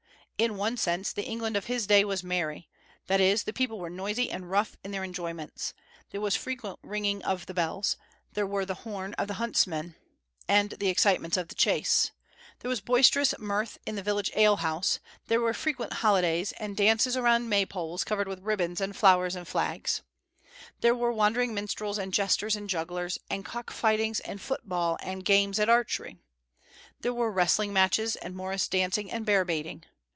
In one sense the England of his day was merry; that is, the people were noisy and rough in their enjoyments. There was frequent ringing of the bells; there were the horn of the huntsman and the excitements of the chase; there was boisterous mirth in the village ale house; there were frequent holidays, and dances around May poles covered with ribbons and flowers and flags; there were wandering minstrels and jesters and jugglers, and cock fightings and foot ball and games at archery; there were wrestling matches and morris dancing and bear baiting.